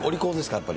やっぱり。